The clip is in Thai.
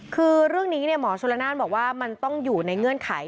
คือเรื่องนี้หมอชนละนานบอกว่ามันต้องอยู่ในเงื่อนไข